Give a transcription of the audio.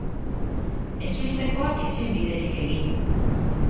Ezustekoak ezin biderik egin.